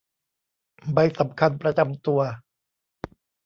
ใบสำคัญประจำตัว